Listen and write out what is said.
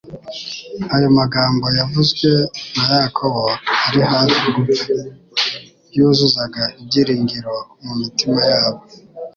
Ayo magambo yavuzwe na Yakobo ari hafi gupfa yuzuzaga ibyiringiro mu mitima yabo